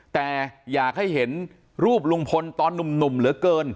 แต่อยากให้เห็นรูปลุงพลตอนหนุ่มเหลือเกิน